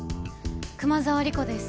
熊沢理子です。